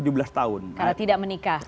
karena tidak menikah